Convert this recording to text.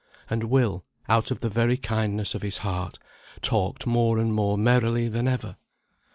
And Will, out of the very kindness of his heart, talked more and more merrily than ever.